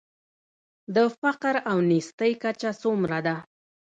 د فقر او نیستۍ کچه څومره ده؟